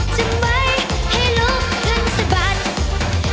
จะไม่ให้ลุกขึ้นสะบัด